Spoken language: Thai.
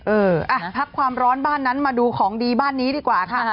เอออ่ะพักความร้อนบ้านนั้นมาดูของดีบ้านนี้ดีกว่าค่ะ